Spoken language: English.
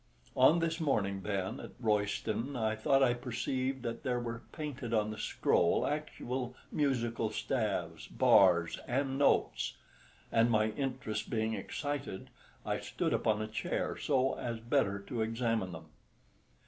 On this morning, then, at Royston I thought I perceived that there were painted on the scroll actual musical staves, bars, and notes; and my interest being excited, I stood upon a chair so as better to examine them.